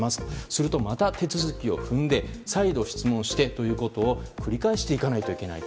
するとまた手続きを踏んで再度質問してということを繰り返していかないといけない。